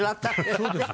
そうです。